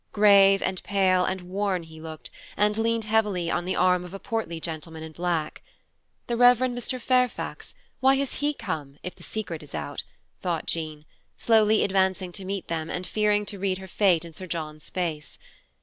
Grave, and pale, and worn he looked, and leaned heavily on the arm of a portly gentleman in black. The Reverend Mr. Fairfax, why has he come, if the secret is out? thought Jean, slowly advancing to meet them and fearing to read her fate in Sir John's face.